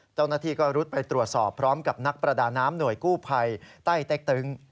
เจ้าหน้าที่ก็รุดไปตรวจสอบพร้อมกับนักประดาน้ำหน่วยกู้ภัยใต้เต็กตึง